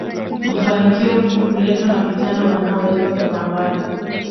mafanikio huletwa na vijana wanaoweza kupambana